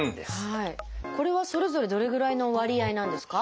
これはそれぞれどれぐらいの割合なんですか？